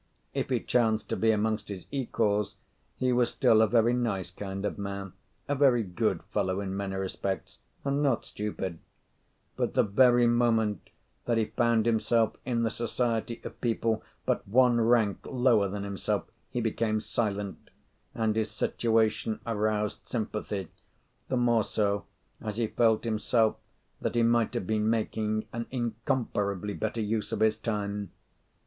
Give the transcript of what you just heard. If he chanced to be amongst his equals he was still a very nice kind of man, a very good fellow in many respects, and not stupid; but the very moment that he found himself in the society of people but one rank lower than himself he became silent; and his situation aroused sympathy, the more so as he felt himself that he might have been making an incomparably better use of his time.